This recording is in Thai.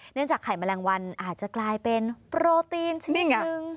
จากไข่แมลงวันอาจจะกลายเป็นโปรตีนชนิดนึง